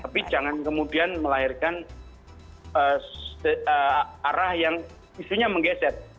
tapi jangan kemudian melahirkan arah yang isunya menggeser